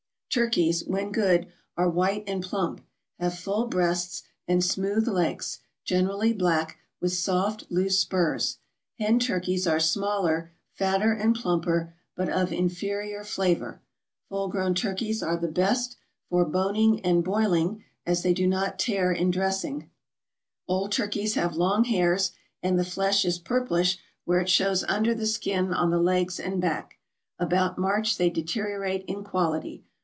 Turkeys when good are white and plump, have full breasts and smooth legs, generally black, with soft, loose spurs; hen turkeys are smaller, fatter, and plumper, but of inferior flavor; full grown turkeys are the best for boning and boiling, as they do not tear in dressing; old turkeys have long hairs, and the flesh is purplish where it shows under the skin on the legs and back. About March they deteriorate in quality.